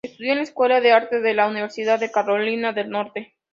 Estudió en la Escuela de Artes de la Universidad de Carolina del Norte.